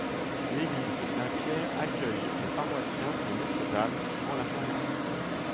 L'église Saint-Pierre accueille les paroissiens de Notre-Dame durant la fermeture.